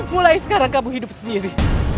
mulai sekarang kamu hidup sendiri